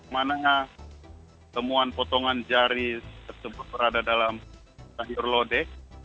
mananya temuan potongan jari tersebut berada dalam sayur lodeh